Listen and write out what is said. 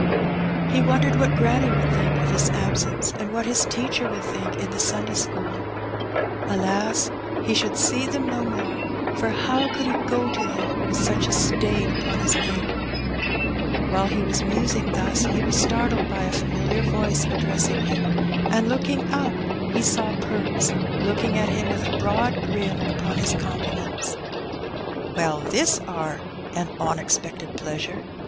He wondered what granny would think of his absence, and what his teacher would think in the Sunday school. AJas! he should see them no more, for how could he go to them with such a stain upon his name? While he was musing thus he was startled by a familiar voice addressing him, and looking up he saw Perks looking at him, with a broad grin upon his countenance. '* Well, this are a onexpected pleasure